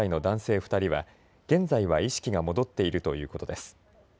２人は現在は意識が戻っているということです。